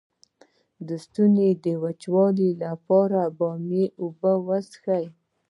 د ستوني د وچوالي لپاره د بامیې اوبه وڅښئ